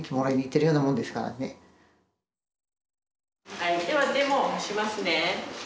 はいではデモをしますね。